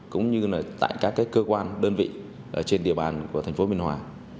cũng như tại các cơ quan đơn vị trên địa bàn của thành phố biên hòa